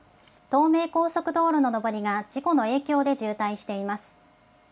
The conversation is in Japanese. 東名高速道路の上りが、事故の影響で渋滞しています。